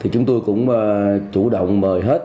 chúng tôi cũng chủ động mời hết